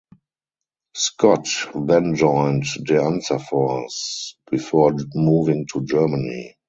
Scott then joined De Anza Force before moving to Germany.